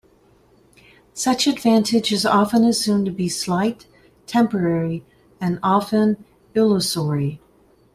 Such advantage is often assumed to be slight, temporary and often illusory.